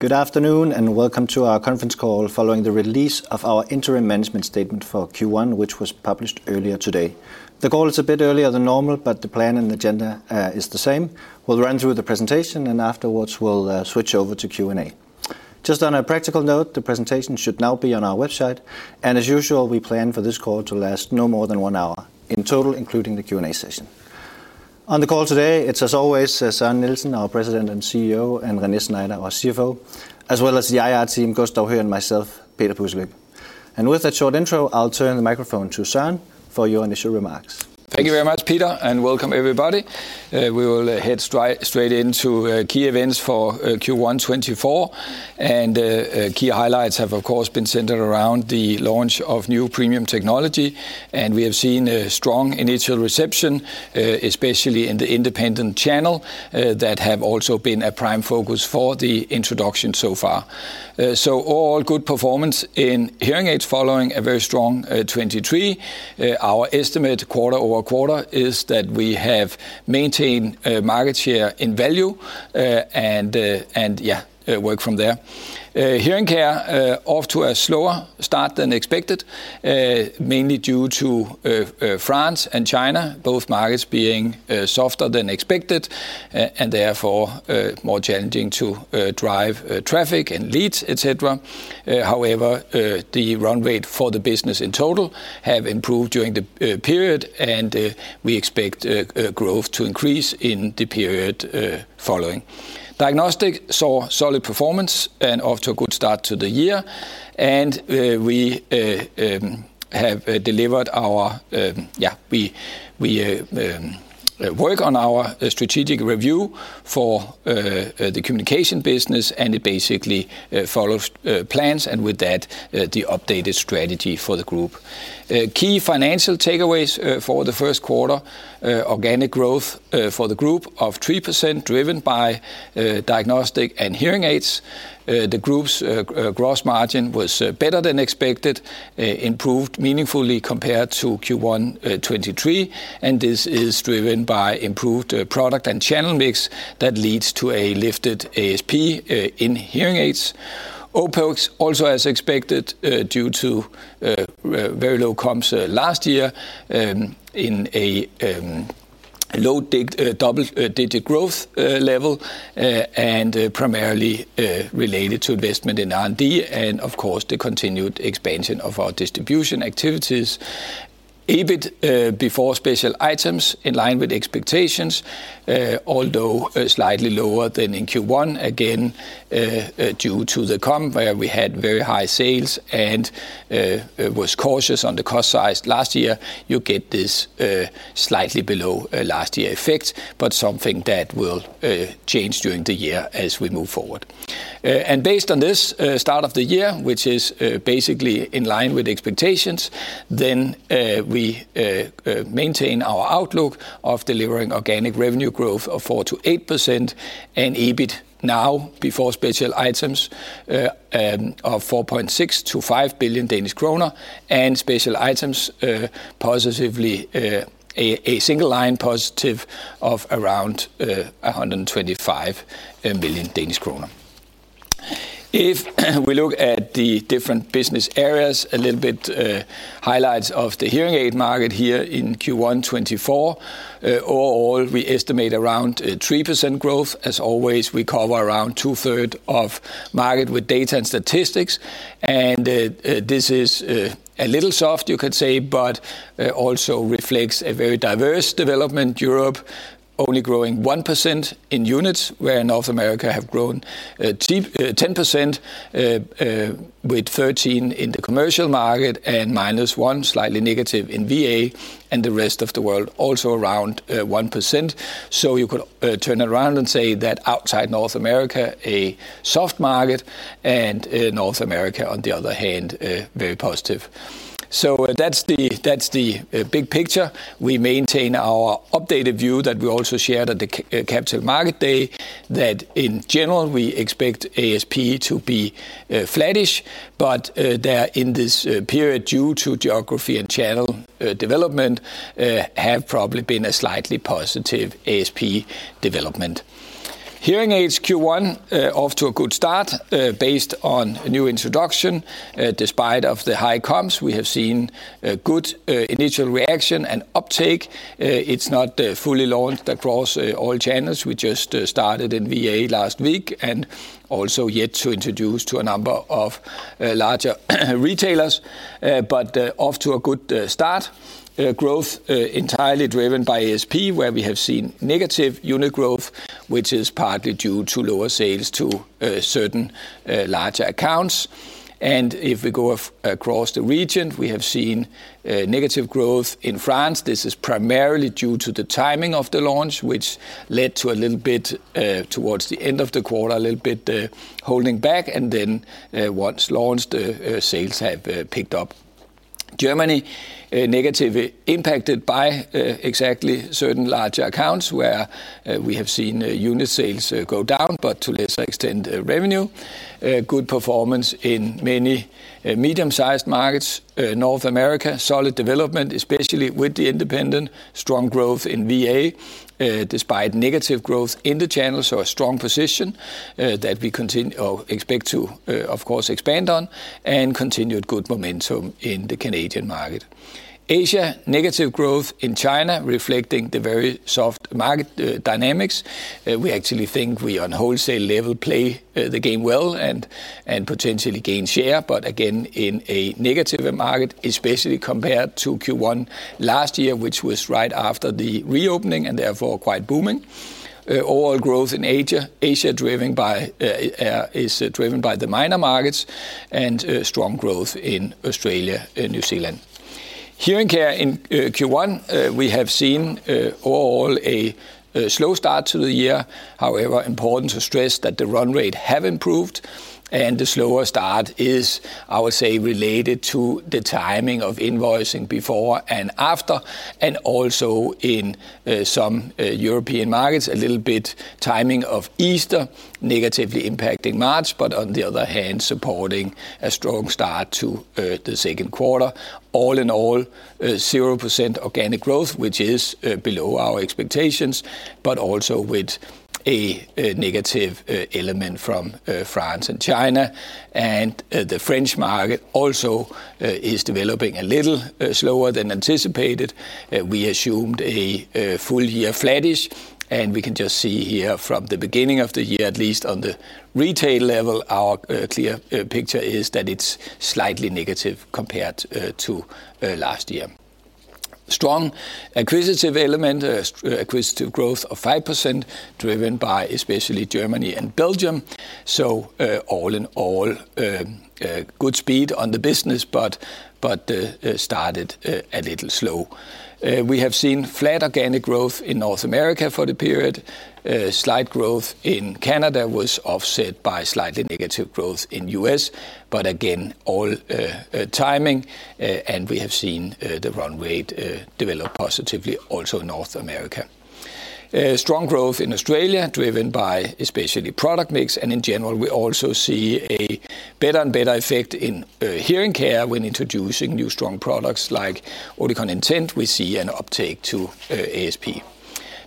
Good afternoon, and welcome to our conference call following the release of our interim management statement for Q1, which was published earlier today. The call is a bit earlier than normal, but the plan and agenda is the same. We'll run through the presentation, and afterwards we'll switch over to Q&A. Just on a practical note, the presentation should now be on our website, and as usual, we plan for this call to last no more than one hour in total, including the Q&A session. On the call today, it's as always, Søren Nielsen, our President and CEO, and René Schneider, our CFO, as well as the IR team, Gustav Høegh, and myself, Peter Pudselykke. And with that short intro, I'll turn the microphone to Søren for your initial remarks. Thank you very much, Peter, and welcome, everybody. We will head straight into key events for Q1 2024. Key highlights have, of course, been centered around the launch of new premium technology, and we have seen a strong initial reception, especially in the independent channel, that have also been a prime focus for the introduction so far. So all good performance in hearing aids following a very strong 2023. Our estimate quarter-over-quarter is that we have maintained market share in value, and yeah, work from there. Hearing care off to a slower start than expected, mainly due to France and China, both markets being softer than expected, and therefore more challenging to drive traffic and leads, et cetera. However, the run rate for the business in total have improved during the period, and we expect growth to increase in the period following. Diagnostics saw solid performance and off to a good start to the year, and we have delivered our, yeah, we work on our strategic review for the communication business, and it basically follows plans, and with that, the updated strategy for the group. Key financial takeaways for the first quarter, organic growth for the group of 3%, driven by diagnostics and hearing aids. The group's gross margin was better than expected, improved meaningfully compared to Q1 2023, and this is driven by improved product and channel mix that leads to a lifted ASP in hearing aids. OpEx also, as expected, due to very low comps last year, in a low double-digit growth level, and primarily related to investment in R&D and of course, the continued expansion of our distribution activities. EBIT before special items in line with expectations, although slightly lower than in Q1, again due to the comp where we had very high sales and was cautious on the cost side last year, you get this slightly below last year effect, but something that will change during the year as we move forward. And based on this start of the year, which is basically in line with expectations, then we maintain our outlook of delivering organic revenue growth of 4%-8%, and EBIT now before special items of 4.6 billion-5 billion Danish kroner, and special items positively a single line positive of around 125 million Danish kroner. If we look at the different business areas, a little bit, highlights of the hearing aid market here in Q1 2024. Overall, we estimate around 3% growth. As always, we cover around 2/3 of market with data and statistics, and this is a little soft, you could say, but also reflects a very diverse development. Europe only growing 1% in units, where North America have grown ten percent, with 13% in the commercial market and minus one, slightly negative in VA, and the rest of the world, also around 1%. So you could turn around and say that outside North America, a soft market, and North America, on the other hand, very positive. So that's the, that's the big picture. We maintain our updated view that we also shared at the Capital Market Day, that in general, we expect ASP to be flattish, but there in this period, due to geography and channel development, have probably been a slightly positive ASP development. Hearing aids Q1 off to a good start based on a new introduction. Despite of the high comps, we have seen good initial reaction and uptake. It's not fully launched across all channels. We just started in VA last week and also yet to introduce to a number of larger retailers, but off to a good start. Growth entirely driven by ASP, where we have seen negative unit growth, which is partly due to lower sales to certain larger accounts. If we go across the region, we have seen negative growth in France. This is primarily due to the timing of the launch, which led to a little bit towards the end of the quarter, a little bit holding back, and then once launched, sales have picked up. Germany, negatively impacted by exactly certain larger accounts, where we have seen unit sales go down, but to lesser extent, revenue. Good performance in many medium-sized markets. North America, solid development, especially with the independent. Strong growth in VA, despite negative growth in the channel, so a strong position that we continue or expect to, of course, expand on, and continued good momentum in the Canadian market. Asia, negative growth in China, reflecting the very soft market dynamics. We actually think we on wholesale level play the game well and potentially gain share, but again, in a negative market, especially compared to Q1 last year, which was right after the reopening and therefore quite booming. Overall growth in Asia is driven by the minor markets and strong growth in Australia and New Zealand. Hearing care in Q1 we have seen overall a slow start to the year. However, important to stress that the run rate have improved, and the slower start is, I would say, related to the timing of invoicing before and after, and also in some European markets, a little bit timing of Easter, negatively impacting March, but on the other hand, supporting a strong start to the second quarter. All in all, 0% organic growth, which is below our expectations, but also with a negative element from France and China. The French market also is developing a little slower than anticipated. We assumed a full year flattish, and we can just see here from the beginning of the year, at least on the retail level, our clear picture is that it's slightly negative compared to last year. Strong acquisitive element, acquisitive growth of 5%, driven by especially Germany and Belgium. So, all in all, good speed on the business, but started a little slow. We have seen flat organic growth in North America for the period. Slight growth in Canada was offset by slightly negative growth in the U.S., but again, all timing, and we have seen the run rate develop positively also in North America. Strong growth in Australia, driven by especially product mix, and in general, we also see a better and better effect in hearing care when introducing new strong products like Oticon Intent, we see an uptake to ASP.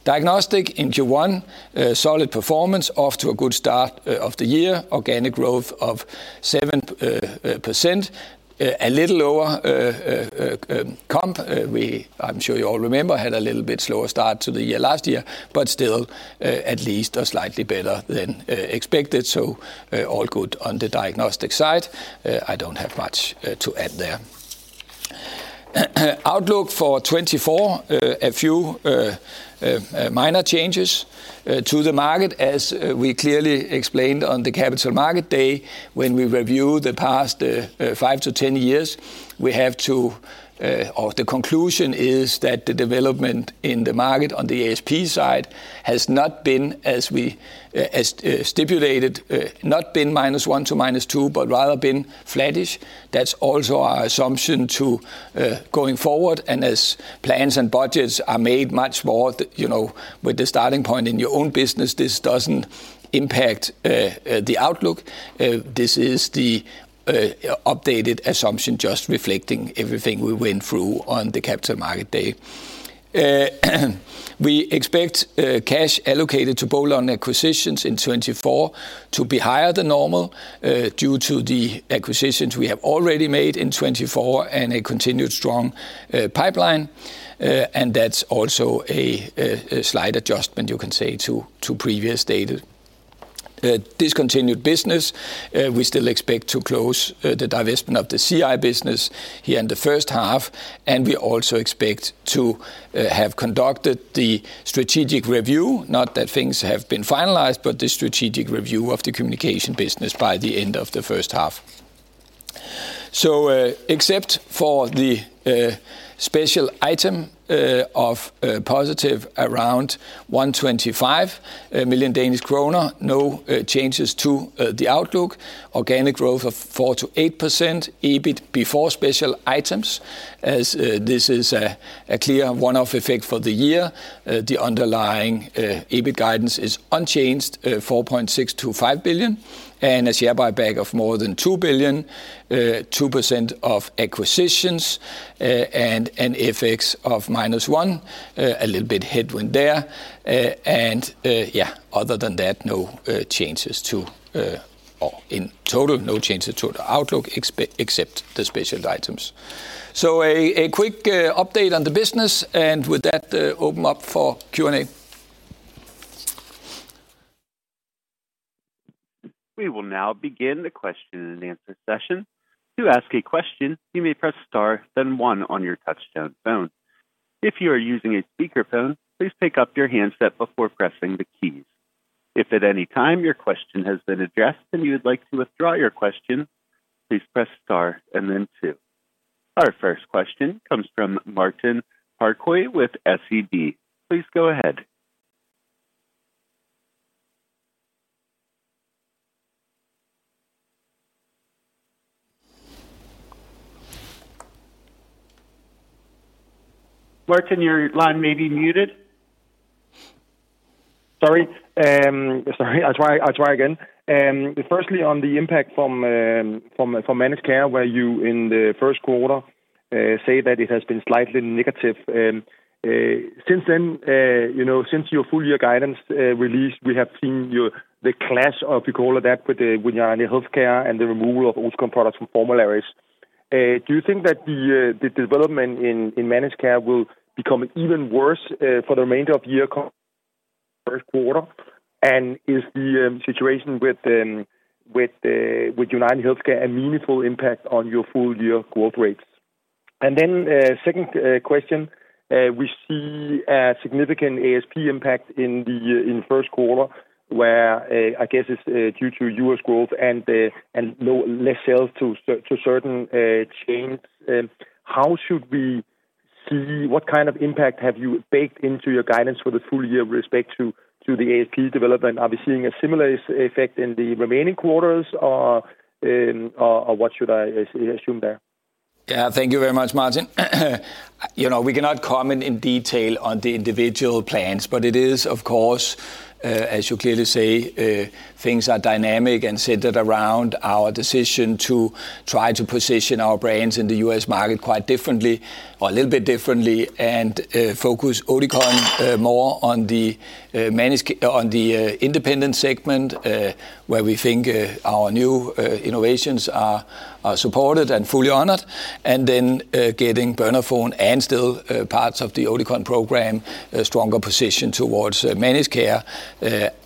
Diagnostics in Q1, solid performance, off to a good start of the year. Organic growth of 7%, a little lower comp. We, I'm sure you all remember, had a little bit slower start to the year last year, but still, at least slightly better than expected, so all good on the diagnostics side. I don't have much to add there. Outlook for 2024, a few minor changes to the market. As we clearly explained on the Capital Market Day, when we review the past five to 10 years, or the conclusion is that the development in the market on the ASP side has not been as we as stipulated, not been minus one to minus two, but rather been flattish. That's also our assumption to going forward, and as plans and budgets are made much more, you know, with the starting point in your own business, this doesn't impact the outlook. This is the updated assumption, just reflecting everything we went through on the Capital Market Day. We expect cash allocated to bolt-on acquisitions in 2024 to be higher than normal, due to the acquisitions we have already made in 2024 and a continued strong pipeline, and that's also a slight adjustment, you can say, to previous data. Discontinued business, we still expect to close the divestment of the CI business here in the first half, and we also expect to have conducted the strategic review, not that things have been finalized, but the strategic review of the communication business by the end of the first half. So, except for the special item of positive around 125 million Danish kroner, no changes to the outlook. Organic growth of 4%-8%, EBIT before special items, as this is a clear one-off effect for the year. The underlying EBIT guidance is unchanged, 4.6 billion-5 billion, and a share buyback of more than 2 billion, 2% of acquisitions, and FX of -1, a little bit headwind there. And yeah, other than that, no changes to, or in total, no changes to the outlook, except the special items. So a quick update on the business, and with that, open up for Q&A. We will now begin the question and answer session. To ask a question, you may press star, then one on your touchtone phone. If you are using a speakerphone, please pick up your handset before pressing the keys. If at any time your question has been addressed and you would like to withdraw your question, please press star and then two. Our first question comes from Martin Parkhøi with SEB. Please go ahead. Martin, your line may be muted. Sorry, sorry. I'll try, I'll try again. Firstly, on the impact from managed care, where you in the first quarter say that it has been slightly negative. Since then, you know, since your full year guidance released, we have seen the clash of, you call it that, with the healthcare and the removal of old comp products from formularies. Do you think that the development in managed care will become even worse for the remainder of the year first quarter, and is the situation with UnitedHealthcare a meaningful impact on your full year growth rates? Then, second question, we see a significant ASP impact in the first quarter, where I guess it's due to U.S. growth and lower sales to certain chains. How should we see what kind of impact have you baked into your guidance for the full year with respect to the ASP development? Are we seeing a similar ASP effect in the remaining quarters or what should I assume there? Yeah, thank you very much, Martin. You know, we cannot comment in detail on the individual plans, but it is, of course, as you clearly say, things are dynamic and centered around our decision to try to position our brands in the U.S. market quite differently or a little bit differently, and, focus Oticon more on the independent segment, where we think our new innovations are supported and fully honored, and then, getting Bernafon and still parts of the Oticon program, a stronger position towards managed care.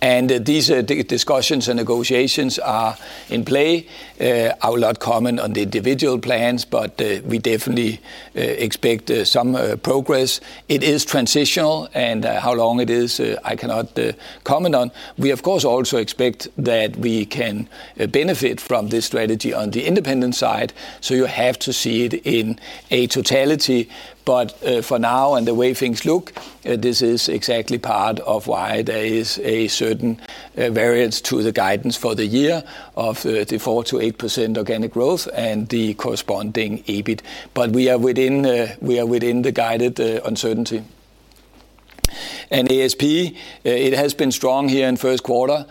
And these discussions and negotiations are in play. I will not comment on the individual plans, but we definitely expect some progress. It is transitional, and how long it is, I cannot comment on. We, of course, also expect that we can benefit from this strategy on the independent side, so you have to see it in a totality. But, for now and the way things look, this is exactly part of why there is a certain variance to the guidance for the year of the 4%-8% organic growth and the corresponding EBIT. But we are within, we are within the guided uncertainty. And ASP, it has been strong here in first quarter.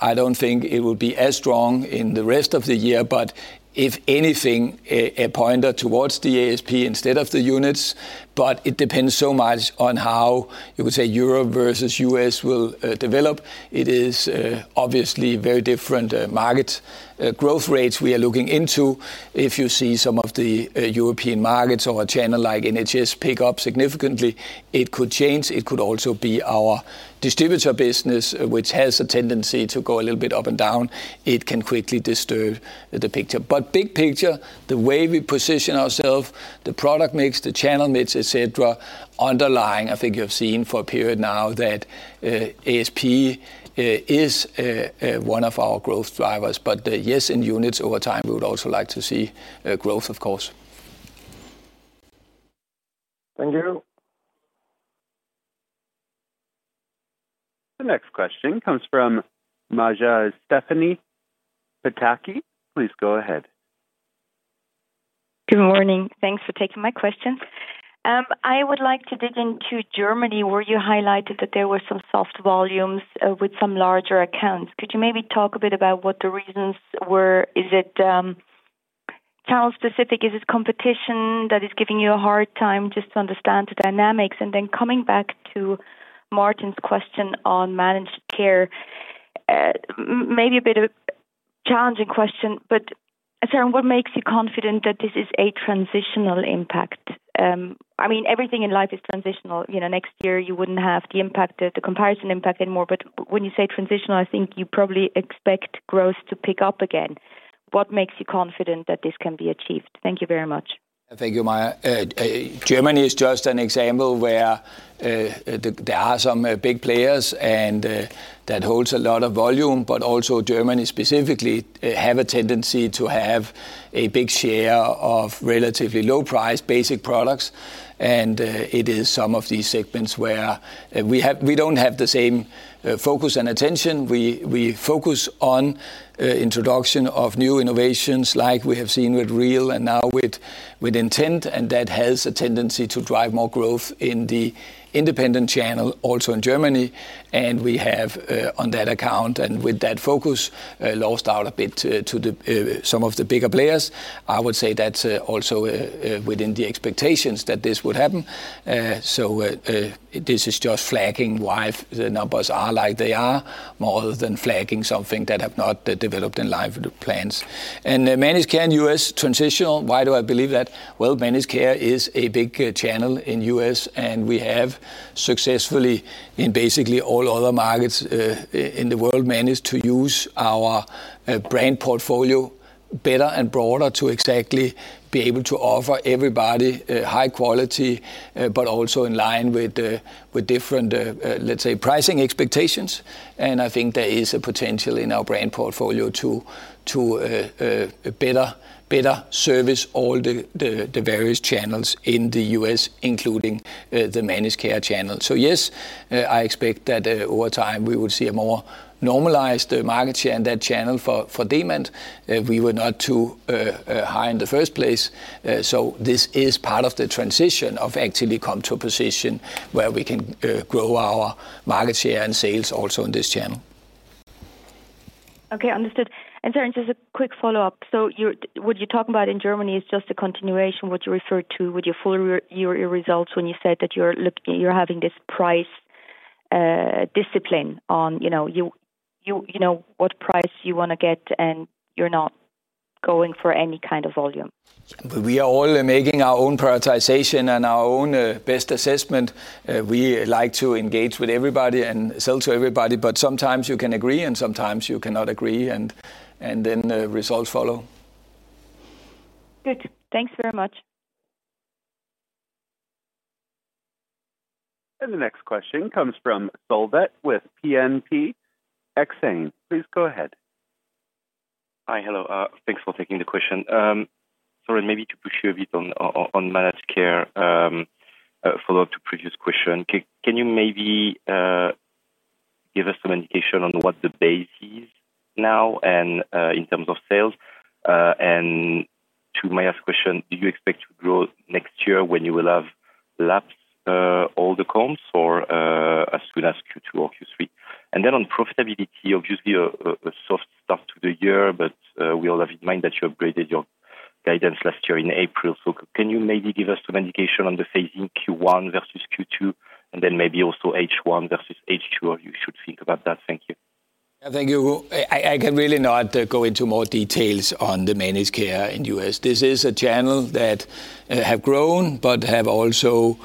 I don't think it will be as strong in the rest of the year, but if anything, a pointer towards the ASP instead of the units, but it depends so much on how, you would say, Europe versus U.S. will develop. It is, obviously very different market growth rates we are looking into. If you see some of the European markets or a channel like NHS pick up significantly, it could change. It could also be our distributor business, which has a tendency to go a little bit up and down. It can quickly disturb the picture. But big picture, the way we position ourself, the product mix, the channel mix, et cetera, underlying, I think you've seen for a period now that ASP is one of our growth drivers. But, yes, in units over time, we would also like to see growth, of course. Thank you. The next question comes from Maja Stephanie Pataki. Please go ahead. Good morning. Thanks for taking my questions. I would like to dig into Germany, where you highlighted that there were some soft volumes with some larger accounts. Could you maybe talk a bit about what the reasons were? Is it channel specific? Is it competition that is giving you a hard time just to understand the dynamics? And then coming back to Martin's question on managed care, maybe a bit of challenging question, but, Søren, what makes you confident that this is a transitional impact? I mean, everything in life is transitional. You know, next year you wouldn't have the impact, the comparison impact anymore, but when you say transitional, I think you probably expect growth to pick up again. What makes you confident that this can be achieved? Thank you very much. Thank you, Maja. Germany is just an example where there are some big players and that holds a lot of volume, but also Germany specifically have a tendency to have a big share of relatively low price basic products, and it is some of these segments where we don't have the same focus and attention. We focus on introduction of new innovations like we have seen with Real and now with Intent, and that has a tendency to drive more growth in the independent channel, also in Germany. And we have, on that account and with that focus, lost out a bit to some of the bigger players. I would say that's also within the expectations that this would happen. This is just flagging why the numbers are like they are, more than flagging something that have not developed in line with the plans. Managed care in U.S., transitional, why do I believe that? Well, managed care is a big channel in U.S., and we have successfully, in basically all other markets, in the world, managed to use our brand portfolio better and broader to exactly be able to offer everybody high quality but also in line with different, let's say, pricing expectations. I think there is a potential in our brand portfolio to better service all the various channels in the U.S., including the managed care channel. So, yes, I expect that, over time, we would see a more normalized market share in that channel for Demant. We were not too high in the first place, so this is part of the transition of actually come to a position where we can grow our market share and sales also in this channel. Okay, understood. And Søren, just a quick follow-up. So, what you're talking about in Germany is just a continuation, what you referred to with your full year results when you said that you're having this price discipline on, you know, what price you wanna get and you're not going for any kind of volume? We are all making our own prioritization and our own, best assessment. We like to engage with everybody and sell to everybody, but sometimes you can agree, and sometimes you cannot agree, and, and then, results follow. Good. Thanks very much. The next question comes from Solvet with BNP Exane, please go ahead. Hi, hello. Thanks for taking the question. Sorry, maybe to push you a bit on managed care, a follow-up to previous question. Can you maybe give us some indication on what the base is now and in terms of sales? And to my last question, do you expect to grow next year when you will have lapsed all the comps or as soon as Q2 or Q3? And then on profitability, obviously, a soft start to the year, but we all have in mind that you upgraded your guidance last year in April. So can you maybe give us some indication on the phase in Q1 versus Q2, and then maybe also H1 versus H2, or you should think about that? Thank you. Thank you. I can really not go into more details on the managed care in the U.S. This is a channel that have grown, but have also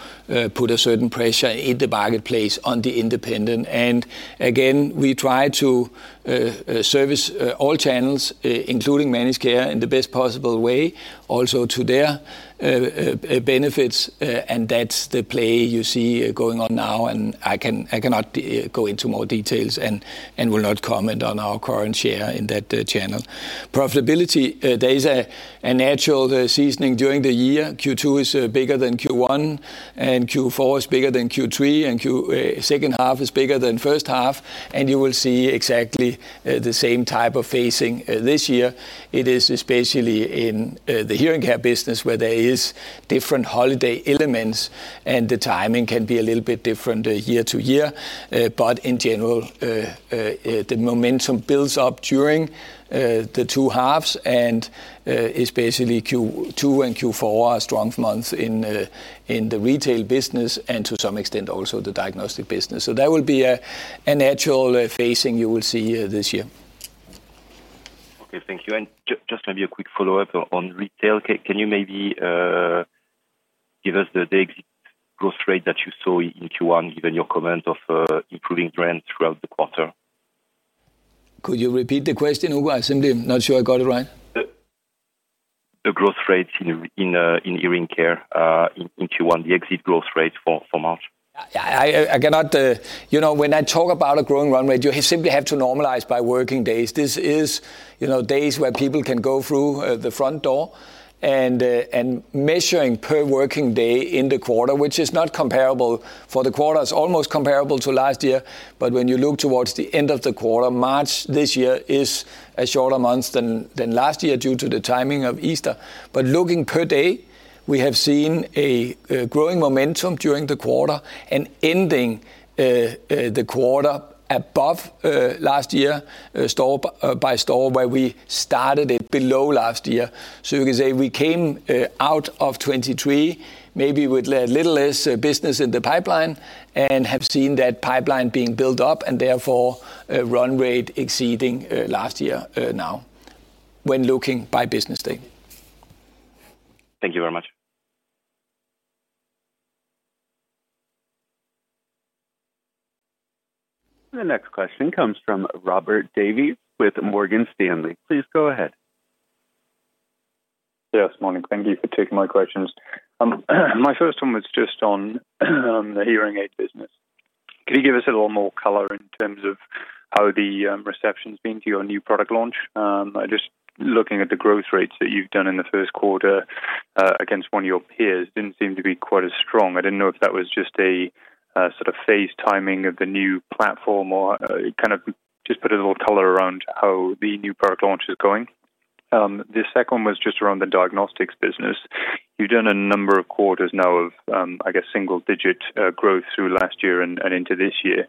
put a certain pressure in the marketplace on the independent. And again, we try to service all channels, including managed care, in the best possible way, also to their benefits, and that's the play you see going on now, and I cannot go into more details and will not comment on our current share in that channel. Profitability, there is an actual seasoning during the year. Q2 is bigger than Q1, and Q4 is bigger than Q3, and second half is bigger than first half, and you will see exactly the same type of phasing this year. It is especially in the hearing care business, where there is different holiday elements, and the timing can be a little bit different year to year. But in general, the momentum builds up during the two halves, and especially Q2 and Q4 are strong months in the retail business, and to some extent, also the diagnostic business. So that will be an actual phasing you will see this year. Okay, thank you. Just maybe a quick follow-up on retail. Can you maybe give us the growth rate that you saw in Q1, given your comment of improving trends throughout the quarter? Could you repeat the question, Hugo? I'm simply not sure I got it right. The growth rate in hearing care in Q1, the exit growth rate for March. I cannot. You know, when I talk about a growing run rate, you simply have to normalize by working days. This is, you know, days where people can go through the front door and measuring per working day in the quarter, which is not comparable for the quarter. It's almost comparable to last year, but when you look towards the end of the quarter, March this year is a shorter month than last year due to the timing of Easter. But looking per day, we have seen a growing momentum during the quarter and ending the quarter above last year, store by store, where we started it below last year. So you can say we came out of 2023, maybe with a little less business in the pipeline, and have seen that pipeline being built up, and therefore, run rate exceeding last year, now, when looking by business day. Thank you very much. The next question comes from Robert Davies with Morgan Stanley. Please go ahead. Yes, morning. Thank you for taking my questions. My first one was just on the hearing aid business. Can you give us a little more color in terms of how the reception's been to your new product launch? I just looking at the growth rates that you've done in the first quarter against one of your peers, didn't seem to be quite as strong. I didn't know if that was just a sort of phase timing of the new platform, or kind of just put a little color around how the new product launch is going. The second one was just around the diagnostics business. You've done a number of quarters now of I guess single-digit growth through last year and into this year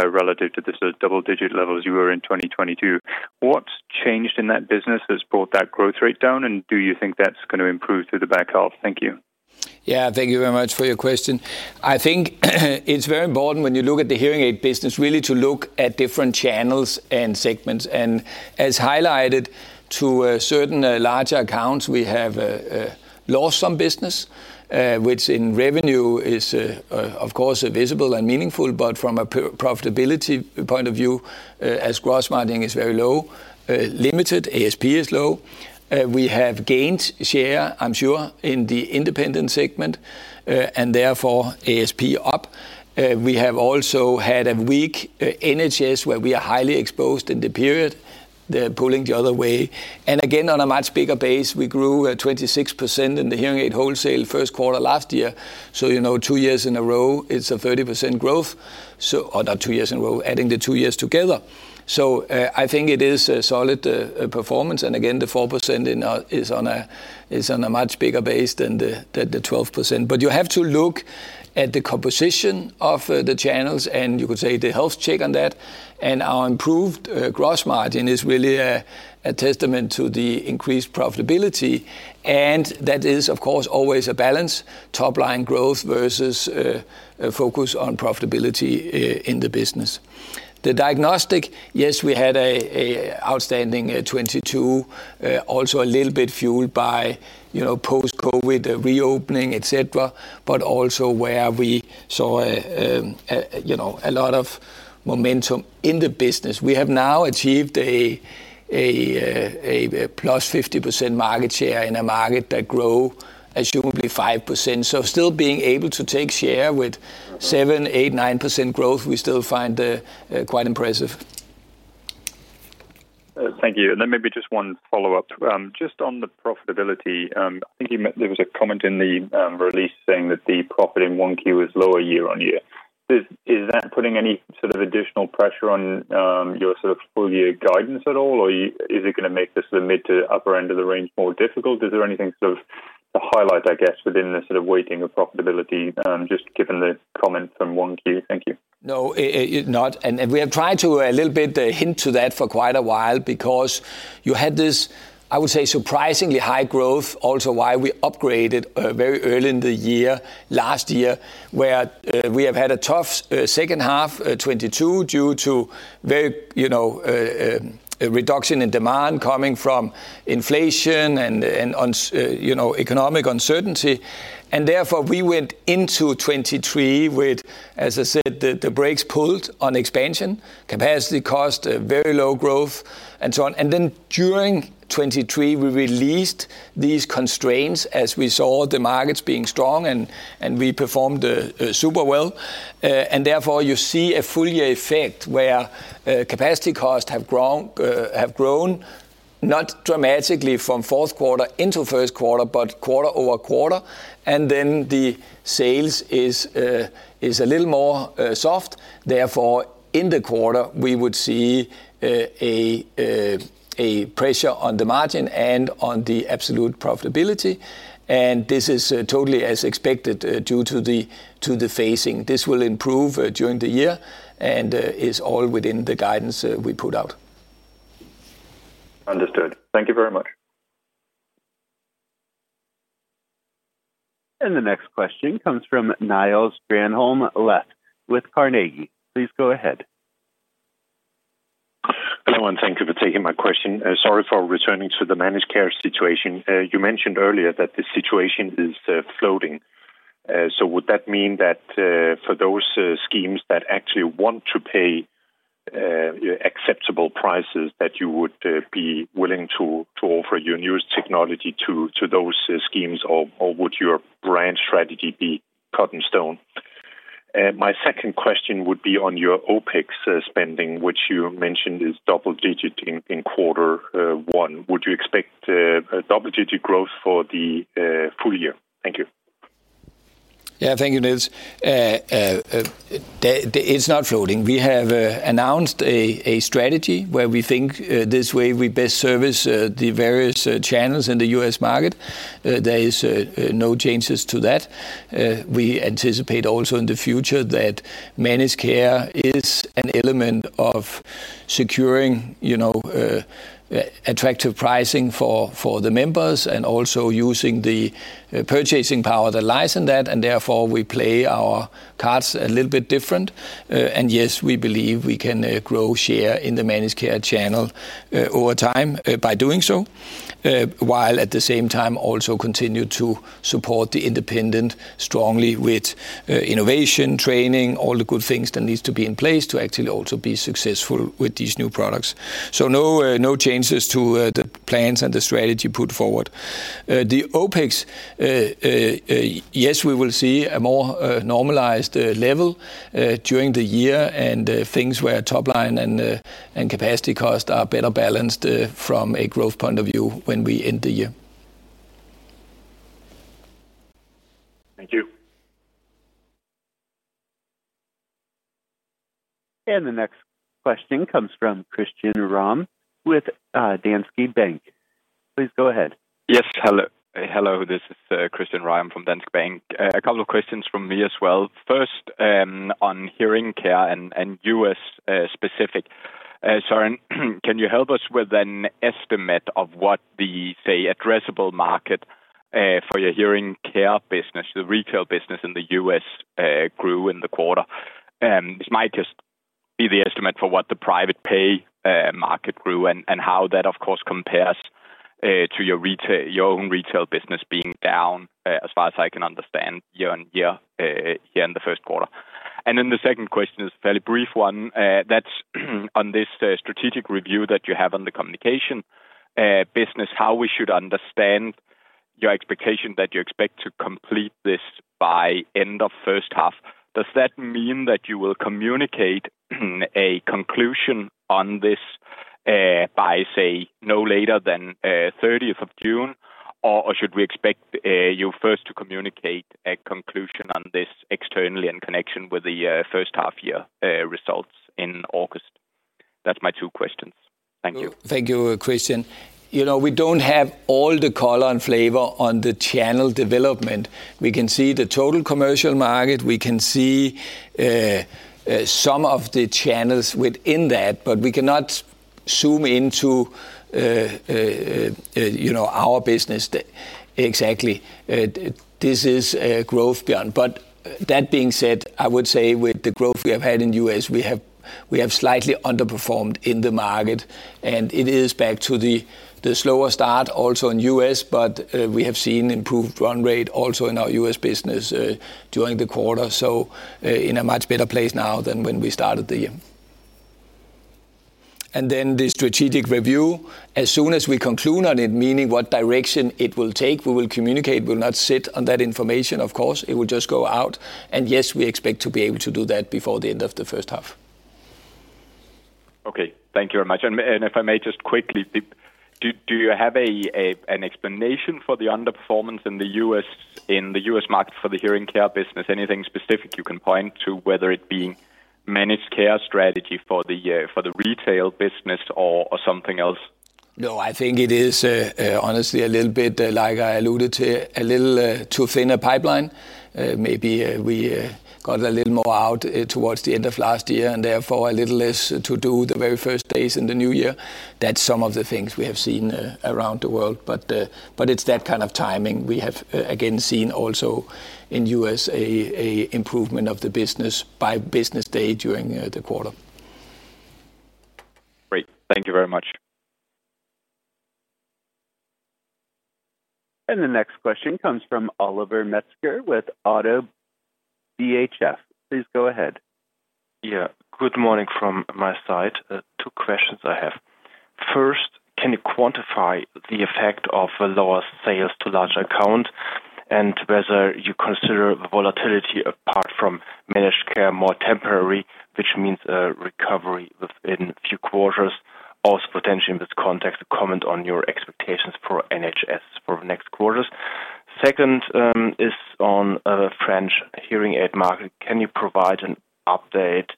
relative to the sort of double-digit levels you were in 2022. What's changed in that business that's brought that growth rate down, and do you think that's going to improve through the back half? Thank you. Yeah, thank you very much for your question. I think it's very important when you look at the hearing aid business, really to look at different channels and segments. And as highlighted to certain larger accounts, we have lost some business, which in revenue is, of course, visible and meaningful, but from a profitability point of view, as gross margin is very low, limited, ASP is low. We have gained share, I'm sure, in the independent segment, and therefore, ASP up. We have also had a weak NHS, where we are highly exposed in the period. They're pulling the other way. And again, on a much bigger base, we grew at 26% in the hearing aid wholesale first quarter last year. So, you know, two years in a row, it's a 30% growth. So or not two years in a row, adding the two years together. So, I think it is a solid performance. And again, the 4% in is on a much bigger base than the 12%. But you have to look at the composition of the channels, and you could say the health check on that, and our improved gross margin is really a testament to the increased profitability. And that is, of course, always a balance, top line growth versus a focus on profitability in the business. The Diagnostics, yes, we had an outstanding 2022, also a little bit fueled by, you know, post-COVID, the reopening, et cetera. But also where we saw a you know a lot of momentum in the business. We have now achieved a +50% market share in a market that grows presumably 5%. So still being able to take share with 7%, 8%, 9% growth, we still find quite impressive. Thank you. Then maybe just one follow-up. Just on the profitability, I think you mentioned there was a comment in the release saying that the profit in 1Q is lower year-on-year. Is that putting any sort of additional pressure on your sort of full-year guidance at all, or is it going to make the mid- to upper-end of the range more difficult? Is there anything sort of to highlight, I guess, within the sort of weighting of profitability, just given the comments from 1Q? Thank you. No, not. And we have tried to a little bit hint to that for quite a while because you had this, I would say, surprisingly high growth, also why we upgraded very early in the year, last year, where we have had a tough second half 2022, due to very, you know, a reduction in demand coming from inflation and on, you know, economic uncertainty. And therefore, we went into 2023 with, as I said, the brakes pulled on expansion, capacity cost, very low growth, and so on. And then during 2023, we released these constraints as we saw the markets being strong, and we performed super well. And therefore you see a full year effect where capacity costs have grown, not dramatically from fourth quarter into first quarter, but quarter-over-quarter, and then the sales is a little more soft. Therefore, in the quarter, we would see a pressure on the margin and on the absolute profitability, and this is totally as expected, due to the phasing. This will improve during the year and is all within the guidance we put out. Understood. Thank you very much. The next question comes from Niels Granholm-Leth with Carnegie. Please go ahead. Hello, and thank you for taking my question. Sorry for returning to the managed care situation. You mentioned earlier that the situation is floating. So would that mean that for those schemes that actually want to pay acceptable prices, that you would be willing to offer your newest technology to those schemes, or would your brand strategy be cut in stone? My second question would be on your OpEx spending, which you mentioned is double-digit in quarter one. Would you expect a double-digit growth for the full year? Thank you. Yeah, thank you, Niels. It's not floating. We have announced a strategy where we think this way we best service the various channels in the U.S. market. There is no changes to that. We anticipate also in the future that managed care is an element of securing you know attractive pricing for the members, and also using the purchasing power that lies in that, and therefore we play our cards a little bit different. And yes, we believe we can grow share in the managed care channel over time by doing so, while at the same time also continue to support the independent strongly with innovation, training, all the good things that needs to be in place to actually also be successful with these new products. So no, no changes to the plans and the strategy put forward. The OpEx, yes, we will see a more normalized level during the year, and things where top line and capacity costs are better balanced from a growth point of view when we end the year. Thank you. The next question comes from Christian Ryom with Danske Bank. Please go ahead. Yes. Hello, hello, this is Christian Ryom from Danske Bank. A couple of questions from me as well. First, on hearing care and U.S. specific. Søren, can you help us with an estimate of what the, say, addressable market for your hearing care business, the retail business in the U.S. grew in the quarter? This might just be the estimate for what the private pay market grew, and how that, of course, compares to your retail—your own retail business being down, as far as I can understand, year-on-year here in the first quarter. And then the second question is a fairly brief one. That's on this strategic review that you have on the communication business. How we should understand your expectation that you expect to complete this by end of first half? Does that mean that you will communicate a conclusion on this by, say, no later than thirtieth of June? Or should we expect you first to communicate a conclusion on this externally in connection with the first half year results in August? That's my two questions. Thank you. Thank you, Christian. You know, we don't have all the color and flavor on the channel development. We can see the total commercial market. We can see some of the channels within that, but we cannot zoom into you know, our business exactly. This is a growth beyond. But that being said, I would say with the growth we have had in U.S., we have slightly underperformed in the market, and it is back to the slower start also in U.S., but we have seen improved run rate also in our U.S. business during the quarter, so in a much better place now than when we started the year. And then the strategic review, as soon as we conclude on it, meaning what direction it will take, we will communicate. We'll not sit on that information, of course; it will just go out. And yes, we expect to be able to do that before the end of the first half. Okay. Thank you very much. And if I may just quickly, do you have an explanation for the underperformance in the U.S. market for the hearing care business? Anything specific you can point to, whether it being managed care strategy for the retail business or something else? No, I think it is, honestly, a little bit like I alluded to, a little too thin a pipeline. Maybe we got a little more out towards the end of last year and therefore, a little less to do the very first days in the new year. That's some of the things we have seen around the world, but it's that kind of timing. We have again seen also in U.S., an improvement of the business by business day during the quarter. Great. Thank you very much. The next question comes from Oliver Metzger with ODDO BHF. Please go ahead. Yeah, good morning from my side. Two questions I have. First, can you quantify the effect of lower sales to large account and whether you consider the volatility apart from managed care, more temporary, which means a recovery within a few quarters? Also, potentially in this context, comment on your expectations for NHS for the next quarters. Second, is on French hearing aid market. Can you provide an update,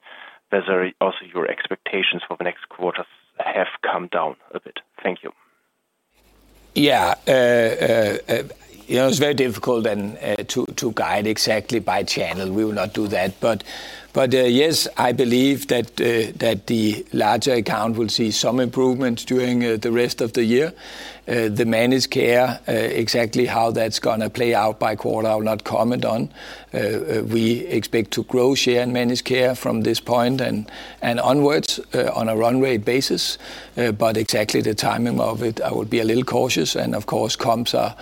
whether also your expectations for the next quarters have come down a bit? Thank you. Yeah. You know, it's very difficult then to guide exactly by channel. We will not do that. But yes, I believe that the larger account will see some improvements during the rest of the year. The managed care, exactly how that's gonna play out by quarter, I will not comment on. We expect to grow share in managed care from this point and onwards, on a runway basis, but exactly the timing of it, I would be a little cautious, and of course, comps are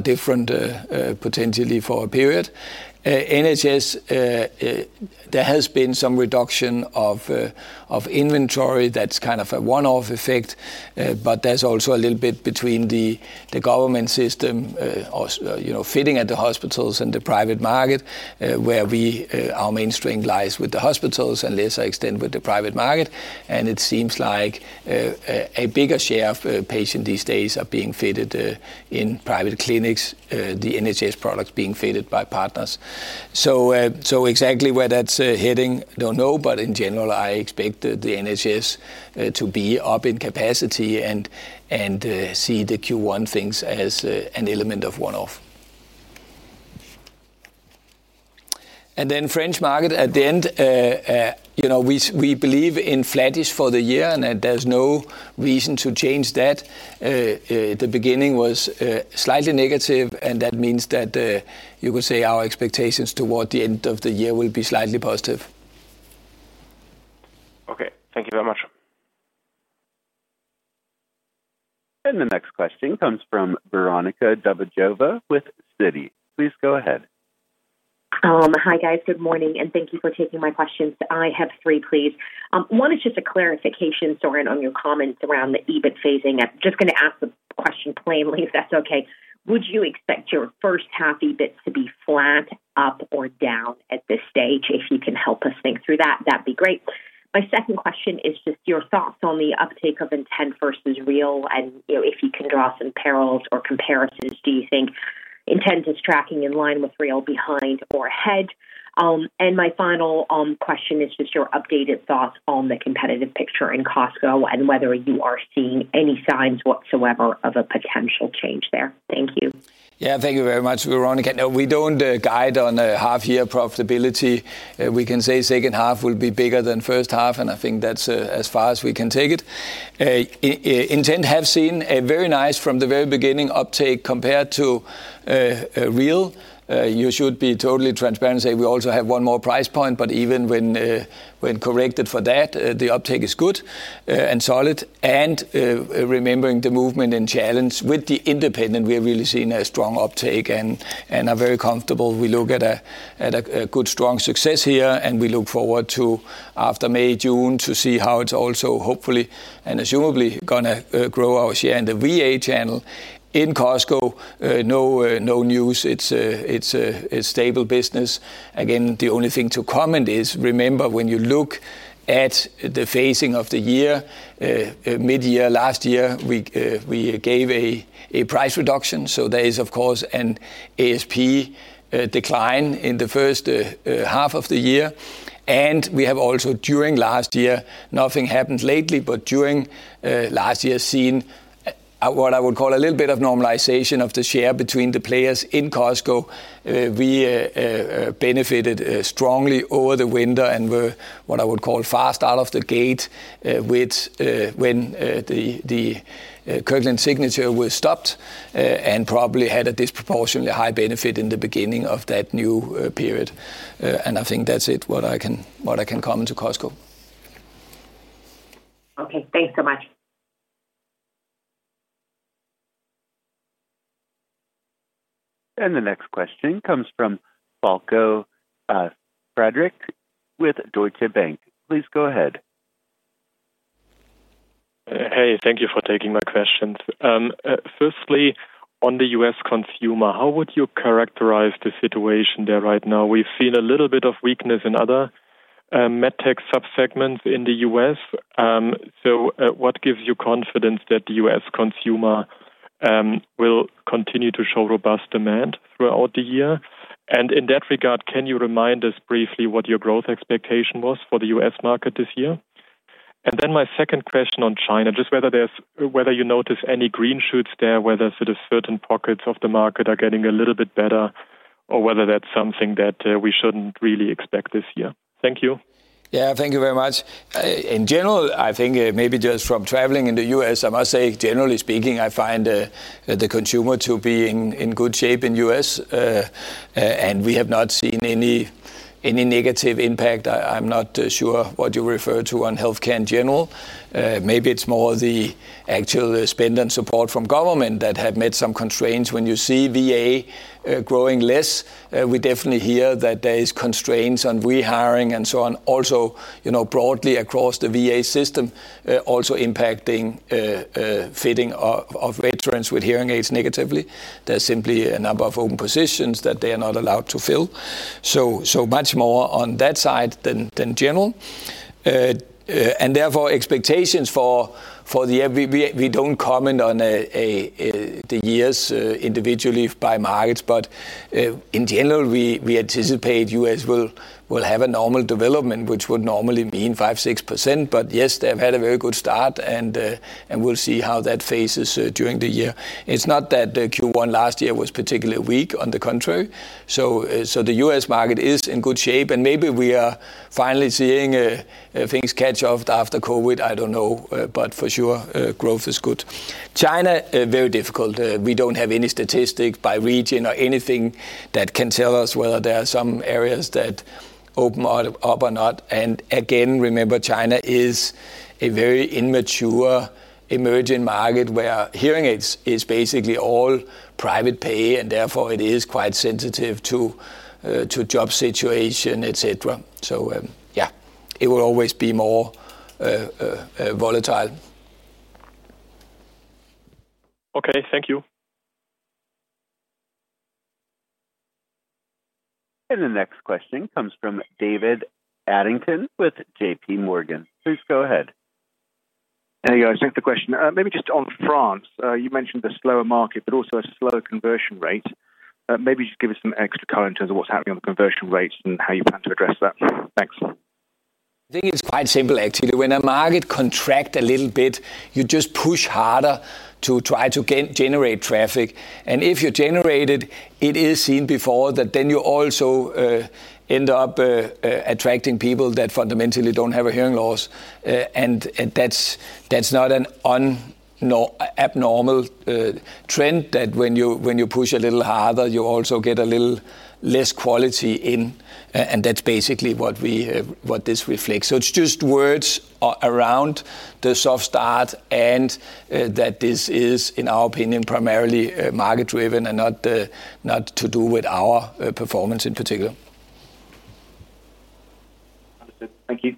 different, potentially for a period. NHS, there has been some reduction of inventory that's kind of a one-off effect, but there's also a little bit between the government system, also, you know, fitting at the hospitals and the private market, where our mainstream lies with the hospitals and lesser extent with the private market. And it seems like a bigger share of patients these days are being fitted in private clinics, the NHS products being fitted by partners. So exactly where that's heading, don't know, but in general, I expect the NHS to be up in capacity and see the Q1 things as an element of one-off. And then French market at the end, you know, we believe in flattish for the year, and there's no reason to change that. The beginning was slightly negative, and that means that you could say our expectations toward the end of the year will be slightly positive. Okay, thank you very much. The next question comes from Veronika Dubajova with Citi. Please go ahead. Hi, guys. Good morning, and thank you for taking my questions. I have three, please. One is just a clarification, Søren, on your comments around the EBIT phasing. I'm just gonna ask the question plainly, if that's okay. Would you expect your first half EBIT to be flat, up or down at this stage? If you can help us think through that, that'd be great. My second question is just your thoughts on the uptake of Intent versus Real, and, you know, if you can draw some parallels or comparisons, do you think Intent is tracking in line with Real, behind or ahead? And my final question is just your updated thoughts on the competitive picture in Costco and whether you are seeing any signs whatsoever of a potential change there. Thank you. Yeah, thank you very much, Veronika. No, we don't guide on a half year profitability. We can say second half will be bigger than first half, and I think that's as far as we can take it. Intent have seen a very nice from the very beginning, uptake compared to Real. You should be totally transparent, say we also have one more price point, but even when corrected for that, the uptake is good and solid. And remembering the movement and challenge with the independent, we have really seen a strong uptake and are very comfortable. We look at a good, strong success here, and we look forward to, after May, June, to see how it's also hopefully and assumably gonna grow our share in the VA channel. In Costco, no news. It's a stable business. Again, the only thing to comment is, remember, when you look at the phasing of the year, mid-year, last year, we gave a price reduction. So there is, of course, an ASP decline in the first half of the year. And we have also during last year, nothing happened lately, but during last year, seen what I would call a little bit of normalization of the share between the players in Costco. We benefited strongly over the winter and were, what I would call, fast out of the gate, with when the Kirkland Signature was stopped, and probably had a disproportionately high benefit in the beginning of that new period. I think that's it, what I can comment to Costco. Okay, thanks so much. ... And the next question comes from Falko Friedrichs with Deutsche Bank. Please go ahead. Hey, thank you for taking my questions. Firstly, on the U.S. consumer, how would you characterize the situation there right now? We've seen a little bit of weakness in other MedTech subsegments in the U.S. So, what gives you confidence that the U.S. consumer will continue to show robust demand throughout the year? And in that regard, can you remind us briefly what your growth expectation was for the U.S. market this year? And then my second question on China, just whether you notice any green shoots there, whether sort of certain pockets of the market are getting a little bit better, or whether that's something that we shouldn't really expect this year. Thank you. Yeah, thank you very much. In general, I think, maybe just from traveling in the U.S., I must say, generally speaking, I find the consumer to be in good shape in the U.S., and we have not seen any negative impact. I'm not sure what you refer to on healthcare in general. Maybe it's more the actual spend and support from government that have made some constraints. When you see VA growing less, we definitely hear that there is constraints on rehiring and so on. Also, you know, broadly across the VA system, also impacting fitting of veterans with hearing aids negatively. There's simply a number of open positions that they are not allowed to fill, so much more on that side than general. And therefore, expectations for the year, we don't comment on the years individually by markets, but in general, we anticipate U.S. will have a normal development, which would normally mean 5%-6%. But yes, they've had a very good start, and we'll see how that phases during the year. It's not that the Q1 last year was particularly weak, on the contrary. So the U.S. market is in good shape, and maybe we are finally seeing things catch off after COVID. I don't know, but for sure, growth is good. China, very difficult. We don't have any statistics by region or anything that can tell us whether there are some areas that open up or not. And again, remember, China is a very immature emerging market, where hearing aids is basically all private pay, and therefore it is quite sensitive to job situation, et cetera. So, yeah, it will always be more volatile. Okay. Thank you. The next question comes from David Adlington with JPMorgan. Please go ahead. Hey, guys, thanks for the question. Maybe just on France, you mentioned a slower market, but also a slower conversion rate. Maybe just give us some extra color in terms of what's happening on the conversion rates and how you plan to address that. Thanks. I think it's quite simple, actually. When a market contract a little bit, you just push harder to try to generate traffic. And if you generate it, it is seen before that then you also end up attracting people that fundamentally don't have a hearing loss. And that's not an abnormal trend, that when you push a little harder, you also get a little less quality in, and that's basically what we what this reflects. So it's just words around the soft start and that this is, in our opinion, primarily market driven and not to do with our performance in particular. Understood. Thank you.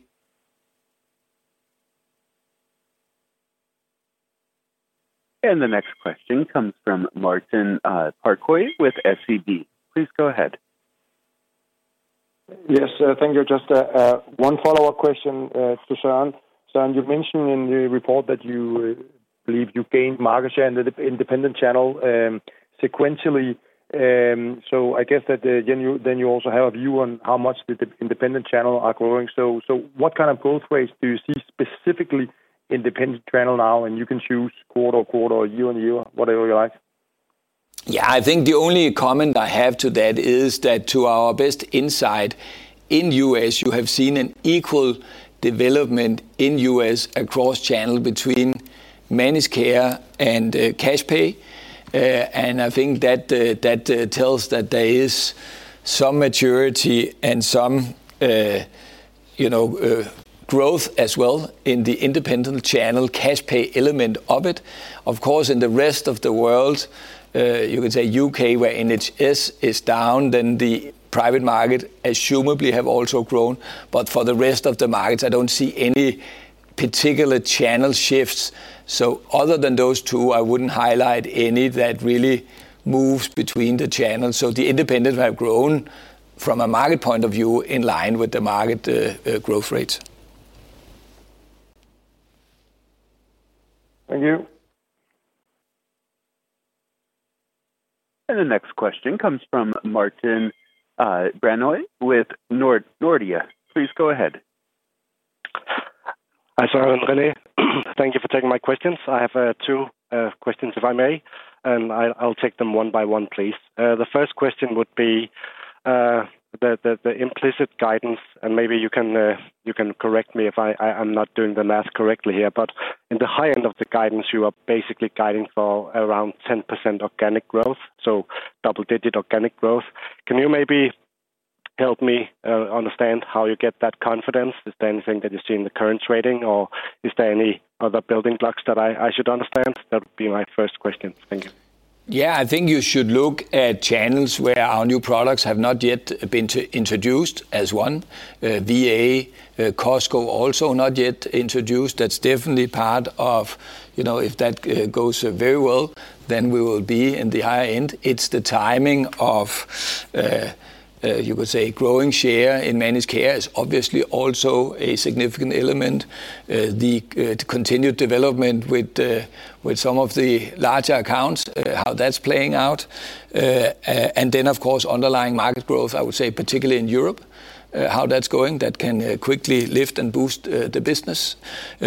And the next question comes from Martin Parkhøi with SEB. Please go ahead. Yes, thank you. Just a one follow-up question to Søren. Søren, you mentioned in the report that you believe you gained market share in the independent channel sequentially. So I guess that then you, then you also have a view on how much the independent channel are growing. So, so what kind of growth rates do you see, specifically independent channel now? And you can choose quarter-over-quarter or year-on-year, whatever you like. Yeah, I think the only comment I have to that is that to our best insight, in U.S., you have seen an equal development in U.S. across channel between managed care and cash pay. And I think that that tells that there is some maturity and some you know growth as well in the independent channel, cash pay element of it. Of course, in the rest of the world, you could say U.K., where NHS is down, then the private market assumably have also grown. But for the rest of the markets, I don't see any particular channel shifts. So other than those two, I wouldn't highlight any that really moves between the channels. So the independent have grown from a market point of view, in line with the market growth rates. Thank you. The next question comes from Martin Brenøe with Nordea. Please go ahead. Hi, Søren and René. Thank you for taking my questions. I have two questions, if I may, and I'll take them one by one, please. The first question would be the implicit guidance, and maybe you can correct me if I'm not doing the math correctly here. But in the high end of the guidance, you are basically guiding for around 10% organic growth, so double-digit organic growth. Can you maybe help me understand how you get that confidence. Is there anything that you see in the current trading, or is there any other building blocks that I should understand? That would be my first question. Thank you. Yeah, I think you should look at channels where our new products have not yet been introduced as one. VA, Costco also not yet introduced. That's definitely part of, you know, if that goes very well, then we will be in the high end. It's the timing of, you could say, growing share in managed care is obviously also a significant element. The continued development with some of the larger accounts, how that's playing out. And then, of course, underlying market growth, I would say, particularly in Europe, how that's going, that can quickly lift and boost the business.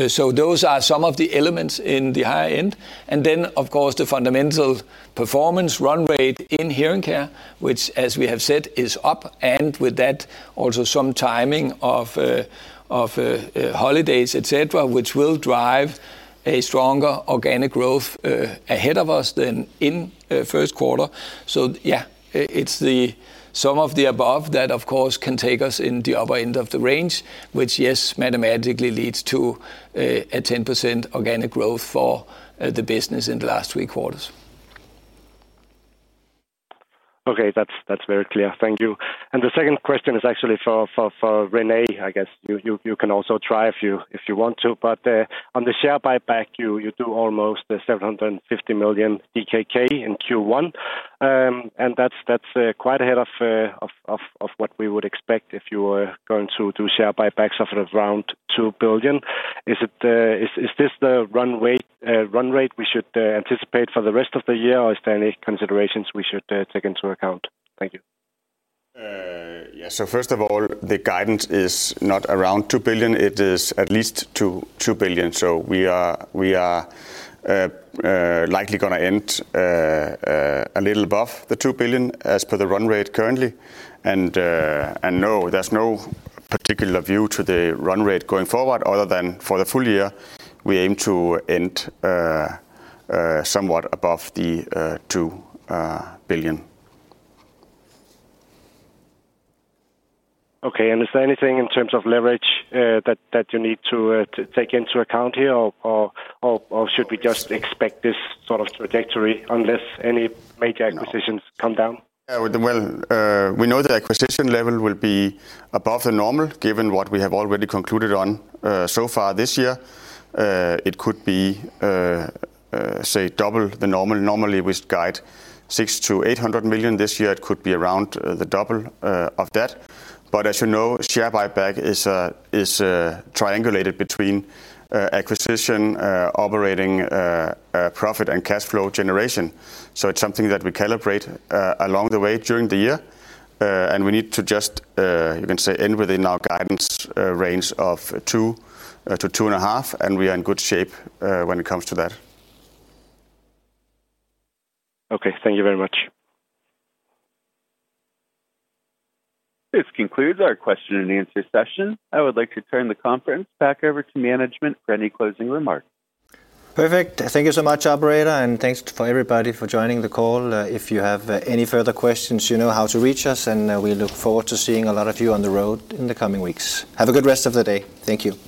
So those are some of the elements in the high end. And then, of course, the fundamental performance run rate in hearing care, which, as we have said, is up, and with that, also some timing of holidays, et cetera, which will drive a stronger organic growth ahead of us than in first quarter. So yeah, it's the some of the above that, of course, can take us in the upper end of the range, which, yes, mathematically leads to a 10% organic growth for the business in the last three quarters. Okay. That's very clear. Thank you. And the second question is actually for René. I guess, you can also try if you want to. But, on the share buyback, you do almost 750 million DKK in Q1. And that's quite ahead of what we would expect if you were going to do share buybacks of around 2 billion. Is this the run rate we should anticipate for the rest of the year, or is there any considerations we should take into account? Thank you. Yeah. So first of all, the guidance is not around 2 billion, it is at least 2 billion. So we are likely gonna end a little above the 2 billion as per the run rate currently. And no, there's no particular view to the run rate going forward, other than for the full year, we aim to end somewhat above the 2 billion. Okay. Is there anything in terms of leverage that you need to take into account here, or should we just expect this sort of trajectory unless any major acquisitions come down? Yeah, well, we know the acquisition level will be above the normal, given what we have already concluded on so far this year. It could be, say, double the normal. Normally, we guide 600 million-800 million. This year, it could be around the double of that. But as you know, share buyback is triangulated between acquisition, operating profit and cash flow generation. So it's something that we calibrate along the way during the year. And we need to just, you can say, end within our guidance range of 2 billion-2.5 billion, and we are in good shape when it comes to that. Okay. Thank you very much. This concludes our question and answer session. I would like to turn the conference back over to management for any closing remarks. Perfect. Thank you so much, operator, and thanks to everybody for joining the call. If you have any further questions, you know how to reach us, and we look forward to seeing a lot of you on the road in the coming weeks. Have a good rest of the day. Thank you.